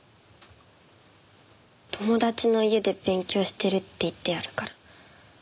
友達の家で勉強してるって言ってあるから。